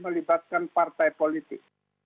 melibatkan partai politik